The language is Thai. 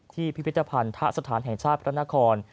ที่พิพิธภัณฑ์ท่าสถานแห่งชาติพระนคร